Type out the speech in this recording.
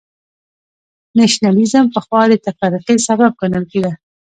نېشنلېزم پخوا د تفرقې سبب ګڼل کېده.